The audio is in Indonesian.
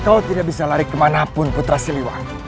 kau tidak bisa lari kemanapun putra siliwan